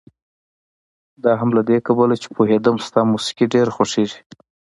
دا هم له دې کبله چې پوهېدم ستا موسيقي ډېره خوښېږي.